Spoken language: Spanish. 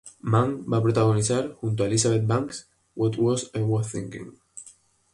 Mann va a protagonizar, junto a Elizabeth Banks, "What Was I Thinking?